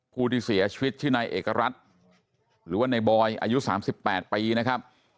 ผู้ที่เสียชีวิตชื่อนายเอกรัฐหรือว่าในบอยอายุ๓๘ปีนะครับ